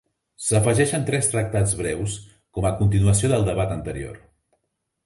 S'afegeixen tres tractats breus com a continuació del debat anterior.